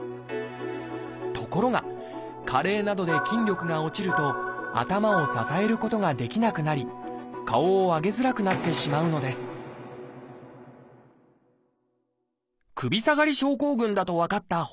ところが加齢などで筋力が落ちると頭を支えることができなくなり顔を上げづらくなってしまうのです首下がり症候群だと分かった本多さん。